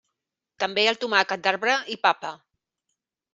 També el tomàquet d'arbre i papa.